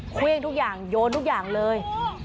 เครื่องทุกอย่างโยนทุกอย่างเลย